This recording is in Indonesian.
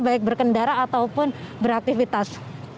baik berkendara ataupun beraktivitas